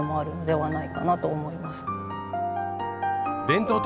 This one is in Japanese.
はい。